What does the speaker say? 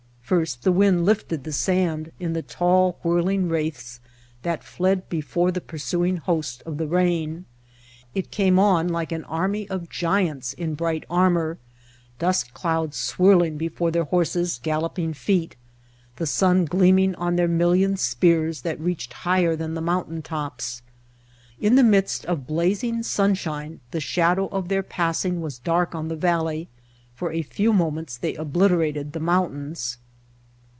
First the wind lifted the sand in the tall whirling wraiths that fled before the pursuing host of the rain. It came on like an army of giants in bright armor, dust clouds swirling before their horses' gallop [no] Entering Death Valley ing feet, the sun gleaming on their million spears that reached higher than the mountain tops. In the midst of blazing sunshine the shadow of their passing was dark on the valley; for a few moments they obliterated the mountains.